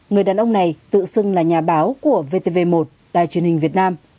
người đàn ông này tự xưng là nhà báo của vtv một đài truyền hình việt nam